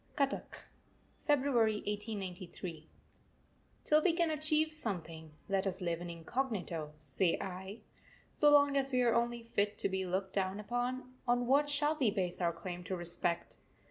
CUTTACK, February 1893. Till we can achieve something, let us live incognito, say I. So long as we are only fit to be looked down upon, on what shall we base our claim to respect?